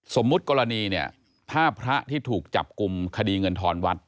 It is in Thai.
สมมุติกรณีเนี่ยถ้าพระที่ถูกจับกลุ่มคดีเงินทอนวัด